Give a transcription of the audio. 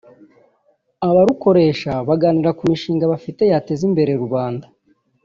Abarukoresha baganira ku mishinga bafite yateza imbere rubanda